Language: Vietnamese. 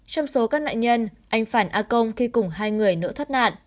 trong số các nạn nhân anh phản a công khi cùng hai người nữa thoát nạn